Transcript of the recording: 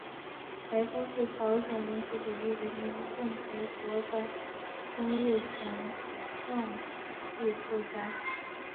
白峰是朝鲜民主主义人民共和国的金日成传记作家。